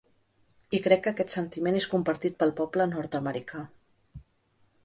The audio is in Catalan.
I crec que aquest sentiment és compartit pel poble nord-americà.